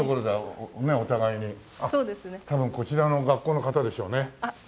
多分こちらの学校の方でしょうね。